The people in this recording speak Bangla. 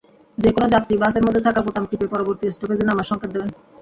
যেকোনো যাত্রী বাসের মধ্যে থাকা বোতাম টিপে পরবর্তী স্টপেজে নামার সংকেত দেবেন।